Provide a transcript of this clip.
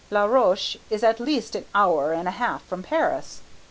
La Roche is at least an hour and a half from Paris.